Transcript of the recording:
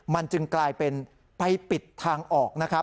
มันจึงกลายเป็นไปปิดทางออก